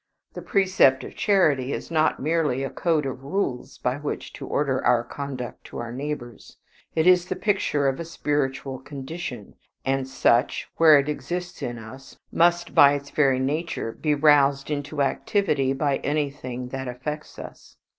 The precept of charity is not merely a code of rules by which to order our conduct to our neighbors; it is the picture of a spiritual condition, and such, where it exists in us, must by its very nature be roused into activity by anything that affects us.